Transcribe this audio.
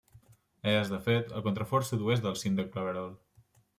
És, de fet, el contrafort sud-oest del cim de Claverol.